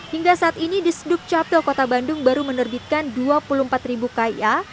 hingga saat ini di sdukcapil kota bandung baru menerbitkan dua puluh empat ribu kia